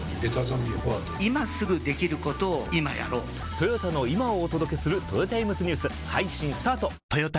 トヨタの今をお届けするトヨタイムズニュース配信スタート！！！